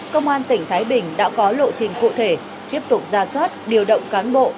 công an tỉnh thái bình đã có lộ trình cụ thể tiếp tục ra soát điều động cán bộ